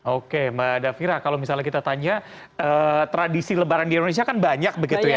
oke mbak davira kalau misalnya kita tanya tradisi lebaran di indonesia kan banyak begitu ya